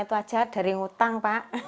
itu aja dari hutang pak